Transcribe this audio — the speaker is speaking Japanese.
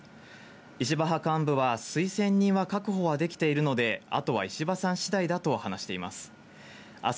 石破派幹部は、推薦人は確保はできているので、あとは石破さんしだいだと話しています。